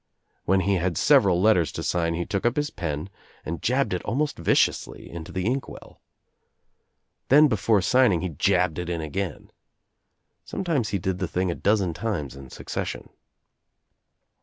When he had several letters to sign he took up his pen and jabbed it almost viciously Into the Inkwell. Then before signing he jabbed it In again. Sometimes he did the thing a dozen times in succession.